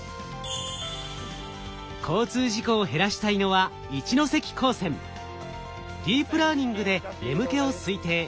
交通事故を減らしたいのはディープラーニングで眠気を推定。